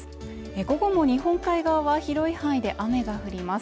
午後も日本海側は広い範囲で雨が降ります